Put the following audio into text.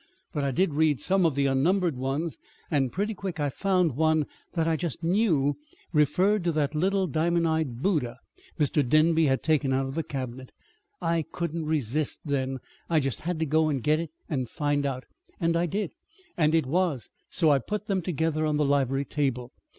But I did read some of the unnumbered ones, and pretty quick I found one that I just knew referred to the little diamond eyed Buddha Mr. Denby had taken out of the cabinet. I couldn't resist then. I just had to go and get it and find out. And I did and it was; so I put them together on the library table.